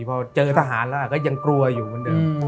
พอเจอทหารแล้วก็ยังกลัวอยู่เหมือนเดิม